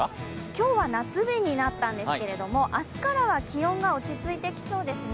今日は夏日になったんですけれども、明日からは気温が落ち着いてきそうですね。